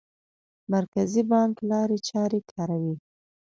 مرکزي بانک لارې چارې کاروي.